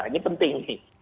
ini penting nih